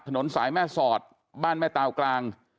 ถนนสายแม่สอดบ้านแม่ตาวกลาง